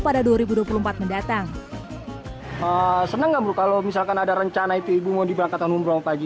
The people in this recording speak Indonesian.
pada dua ribu dua puluh empat mendatang senang nggak bu kalau misalkan ada rencana ibu mau diberangkatkan umroh pagi